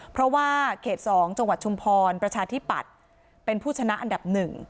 เพราะว่าเขต๒จังหวัดชุมพรประชาธิปัตย์เป็นผู้ชนะอันดับ๑